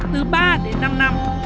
từ ba đến năm năm